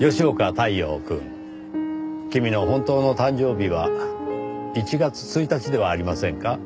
太陽くん君の本当の誕生日は１月１日ではありませんか？